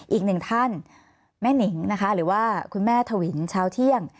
อีกหนึ่งท่านแม่นิงนะคะหรือว่าคุณแม่ถวินเช้าเที่ยง